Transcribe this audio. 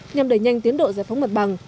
nhằm đẩy nhanh tiến độ giải phóng mặt bằng